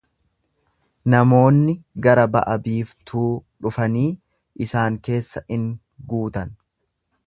Namoonni gara ba'a-biiftuu dhufanii isaan keessa in guutan.